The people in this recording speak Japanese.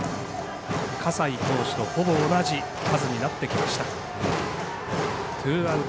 葛西投手とほぼ同じ数になってきました。